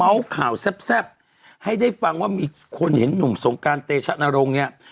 ข่าวแซ่บให้ได้ฟังว่ามีคนเห็นหนุ่มสงการเตชะนรงค์เนี่ย